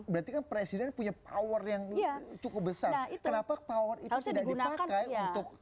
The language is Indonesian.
berarti kan presiden punya power yang cukup besar kenapa power itu tidak dipakai untuk